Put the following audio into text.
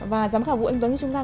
và giám khảo vũ anh tuấn của chúng ta